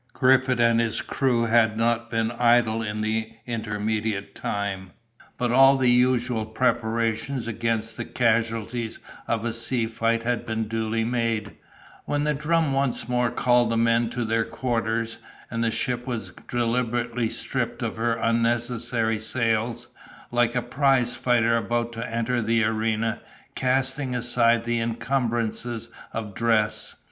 Griffith and his crew had not been idle in the intermediate time, but all the usual preparations against the casualties of a sea fight had been duly made, when the drum once more called the men to their quarters, and the ship was deliberately stripped of her unnecessary sails, like a prize fighter about to enter the arena, casting aside the incumbrances of dress.